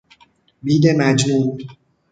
بید مجنون